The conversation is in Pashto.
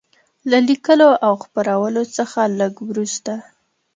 له لیکلو او خپرولو څخه لږ وروسته.